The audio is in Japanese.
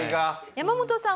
山本さん